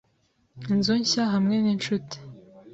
Inzu nshya hamwe n'inshuti